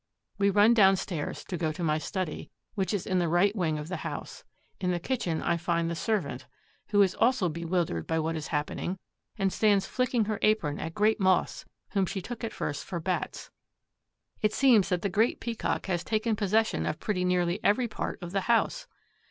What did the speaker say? We run downstairs to go to my study, which is in the right wing of the house. In the kitchen I find the servant, who is also bewildered by what is happening and stands flicking her apron at great Moths whom she took at first for Bats. It seems that the Great Peacock has taken possession of pretty nearly every part of the house.